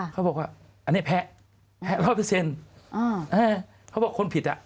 เขาบอกว่าอันนี้แพ้๑๐๐เขาบอกว่าคนผิดน่ะ